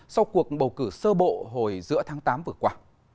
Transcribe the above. sau cuộc bầu cử sơ bộ hồi giữa tháng tám vừa qua